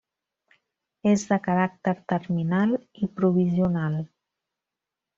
És de caràcter terminal i provisional.